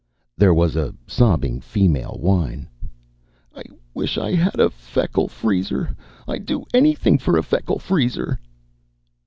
There was a sobbing female whine: "I wish I had a Feckle Freezer! I'd do anything for a Feckle Freezer!"